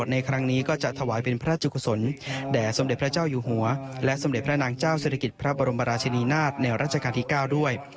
ในครั้งนี้ก็จะถวายเป็นพระราชกุศลแด่สมเด็จพระเจ้าอยู่หัวและสมเด็จพระนางเจ้าศิริกิจพระบรมราชนีนาฏในรัชกาลที่๙ด้วย